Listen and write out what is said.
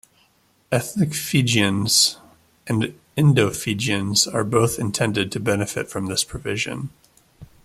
Ethnic Fijians and Indo-Fijians are both intended to benefit from this provision.